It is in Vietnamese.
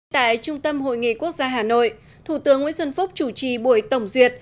tại trung tâm hội nghị quốc gia hà nội thủ tướng nguyễn xuân phúc chủ trì buổi tổng duyệt